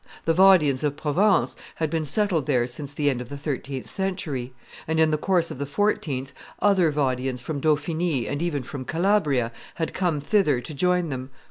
The Vaudians of Provence had been settled there since the end of the thirteenth century; and in the course of the fourteenth other Vaudians from Dauphiny, and even from Calabria, had come thither to join them.